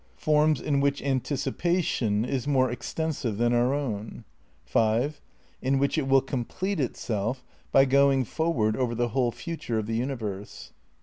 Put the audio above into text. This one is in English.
Forms in which anticipation is more extensive than our own; 5. in which it will complete itself by going forward over the whole future of the universe.